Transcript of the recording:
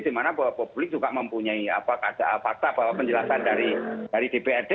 dimana bahwa publik juga mempunyai fakta bahwa penjelasan dari dprd